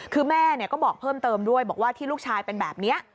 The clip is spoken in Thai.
คือแม่ก็บอกเพิ่มเติมด้วยบอกว่าที่ลูกชายเป็นแบบนี้